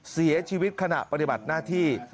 เสียชีวิตขณะปฏิบัติหน้าที่